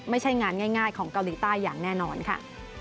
ไม่ใช่งานง่ายของเกาหลีใต้อย่างแน่นอนค่ะ